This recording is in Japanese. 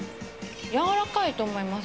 やわらかいと思います。